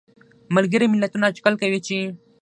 ملګري ملتونه اټکل کوي چې